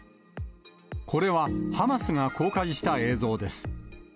これはハマスが公開した映像です。